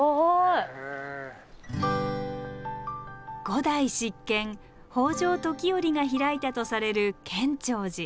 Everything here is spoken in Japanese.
五代執権北条時頼が開いたとされる建長寺。